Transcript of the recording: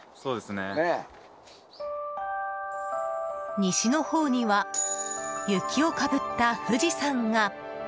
西のほうには雪をかぶった富士山が。